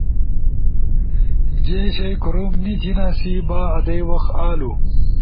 جے شیئی کوروم نی تھیناسی۔ با آدئی وخ آلو